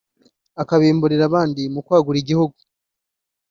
akabimburira abandi mu kwagura igihugu